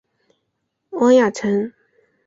汪亚尘。